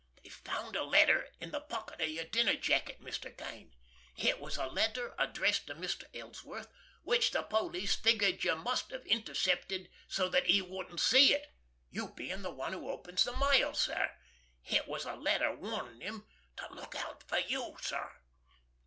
"They found a letter in the pocket of your dinner jacket, Mr. Kane. It was a letter addressed to Mr. Ellsworth, which the police figure you must have intercepted so that he wouldn't see it, you being the one who opens the mail, sir. It was a letter warning him to look out for you, sir."